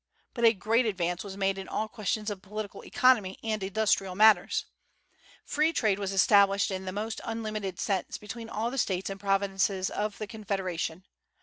But a great advance was made in all questions of political economy and industrial matters. Free trade was established in the most unlimited sense between all the states and provinces of the Confederation.